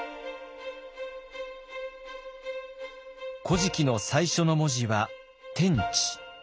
「古事記」の最初の文字は「天地」。